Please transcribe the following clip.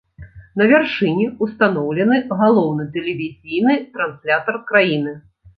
На вяршыні ўстаноўлены галоўны тэлевізійны транслятар краіны.